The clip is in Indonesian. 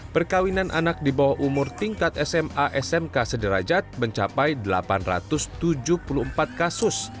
perkawinan anak di bawah umur tingkat sma smk sederajat mencapai delapan ratus tujuh puluh empat kasus